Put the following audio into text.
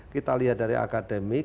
kita lihat dari akademik